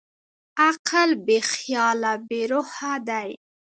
عقل بېخیاله بېروحه دی.